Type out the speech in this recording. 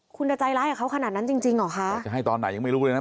คุณจะใจร้ายกับเขาขนาดนั้นจริงจริงเหรอคะแล้วจะให้ตอนไหนยังไม่รู้เลยนะ